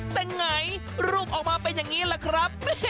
แต่ไงรูปออกมาเป็นอย่างนี้ล่ะครับ